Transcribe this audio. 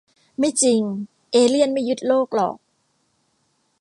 ไม่จริง เอเลี่ยนไม่ยึดโลกหรอก